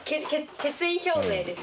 決意表明です。